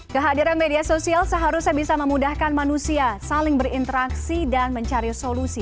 kehadiran media sosial seharusnya bisa memudahkan manusia saling berinteraksi dan mencari solusi